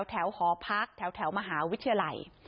หอพักแถวมหาวิทยาลัย